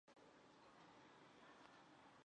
引申为无端招惹灾祸。